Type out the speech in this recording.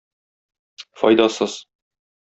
Файдасыз.